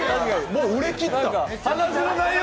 もう売れきった？